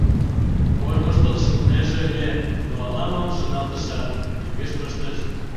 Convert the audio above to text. Кормыжтыл шуынеже ыле, но ала-мом шоналтышат, мӧҥгеш пыштыш.